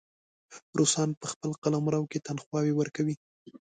روسان په خپل قلمرو کې تنخواوې ورکوي.